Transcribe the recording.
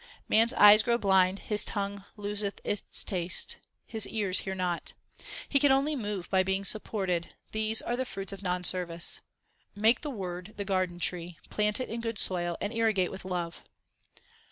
Man s eyes grow blind, his tongue loseth its taste, his ears hear not ; HYMNS OF GURU NANAK 307 He can only move by being supported these are the fruits of non service. Make the Word the garden tree, plant it in good soil, 1 and irrigate with love.